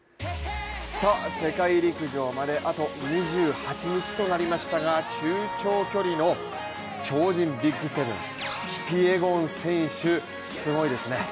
世界陸上まであと２８日となりましたが中長距離の超人ＢＩＧ７キピエゴン選手すごいですね。